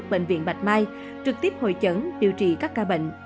bệnh viện bạch mai trực tiếp hội chẩn điều trị các ca bệnh